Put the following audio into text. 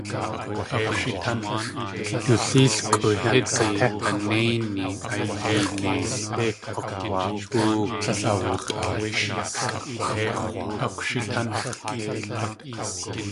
Du léelkʼu hídi anéini a yee neildé k̲ukg̲wa.óo.